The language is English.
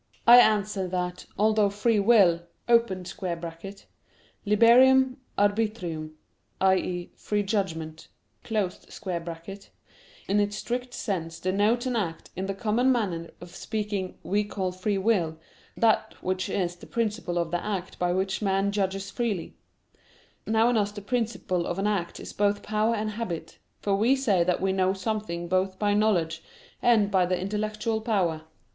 I answer that, Although free will [*Liberum arbitrium i.e. free judgment] in its strict sense denotes an act, in the common manner of speaking we call free will, that which is the principle of the act by which man judges freely. Now in us the principle of an act is both power and habit; for we say that we know something both by knowledge and by the intellectual power.